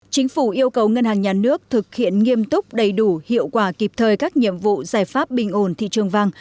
chính phủ yêu cầu ngân hàng nhà nước thực hiện nghiêm túc đầy đủ hiệu quả kịp thời các nhiệm vụ giải pháp bình ổn thị trường vàng